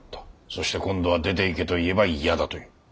そして今度は出ていけと言えば嫌だと言う。